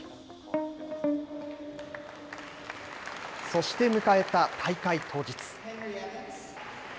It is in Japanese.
そして迎えた大会当日。